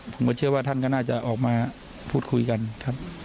ผมก็เชื่อว่าท่านก็น่าจะออกมาพูดคุยกันครับ